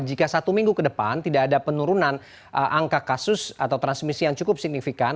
jika satu minggu ke depan tidak ada penurunan angka kasus atau transmisi yang cukup signifikan